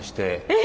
え！